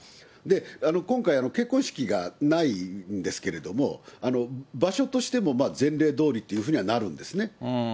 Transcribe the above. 今回、結婚式がないんですけれども、場所としても前例どおりというふうになるんですね。